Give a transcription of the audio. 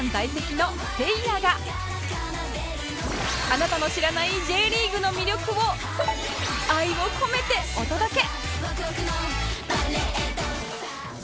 あなたの知らない Ｊ リーグの魅力を愛を込めてお届け！